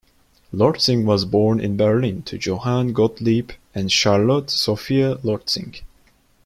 Lortzing was born in Berlin to Johann Gottlieb and Charlotte Sophie Lortzing.